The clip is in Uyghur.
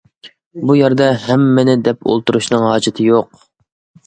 بۇ يەردە ھەممىنى دەپ ئولتۇرۇشنىڭ ھاجىتى يوق.